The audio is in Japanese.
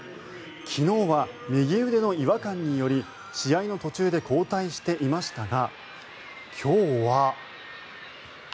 昨日は右腕の違和感により試合の途中で交代していましたが今日は。